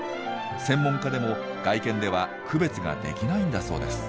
専門家でも外見では区別ができないんだそうです。